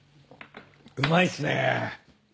うまいっすね。